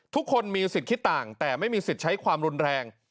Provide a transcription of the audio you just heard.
ทุกคนมีสิทธิ์คิดต่างแต่ไม่มีสิทธิ์ใช้ความรุนแรง